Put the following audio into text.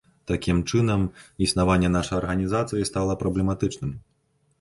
Такім чынам, існаванне нашай арганізацыі стала праблематычным.